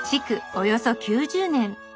およそ９０年。